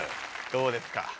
どうですか？